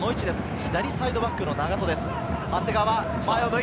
左サイドバックの永戸です。